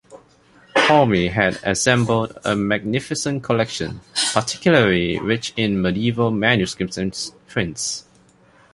Paulmy had assembled a magnificent collection, particularly rich in medieval manuscripts and prints.